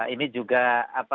ini juga apa